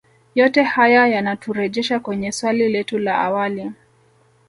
Yote haya yanaturejesha kwenye swali letu la awali